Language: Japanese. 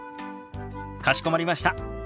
かしこまりました。